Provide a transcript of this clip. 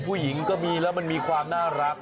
ผู้หญิงก็มีแล้วมันมีความน่ารัก